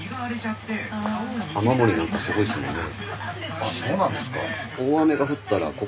あっそうなんですか。